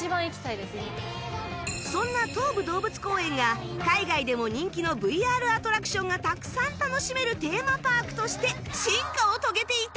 そんな東武動物公園が海外でも人気の ＶＲ アトラクションがたくさん楽しめるテーマパークとして進化を遂げていた